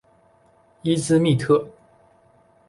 伊兹密特。